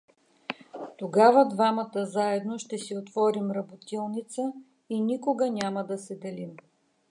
— Тогава двамата заедно ще си отворим работилница и никога няма да се делим.